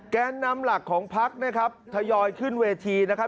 แกนนำหลักของพักนะครับทยอยขึ้นเวทีนะครับ